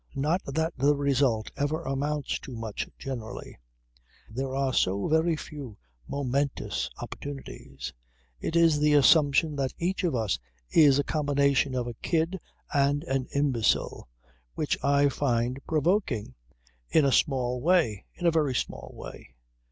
Not that the result ever amounts to much generally. There are so very few momentous opportunities. It is the assumption that each of us is a combination of a kid and an imbecile which I find provoking in a small way; in a very small way.